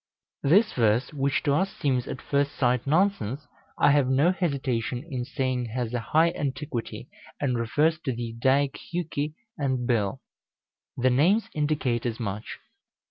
This verse, which to us seems at first sight nonsense, I have no hesitation in saying has a high antiquity, and refers to the Eddaic Hjuki and Bil. The names indicate as much.